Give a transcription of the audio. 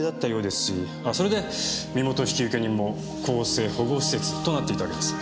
あそれで身元引受人も更生保護施設となっていたわけです。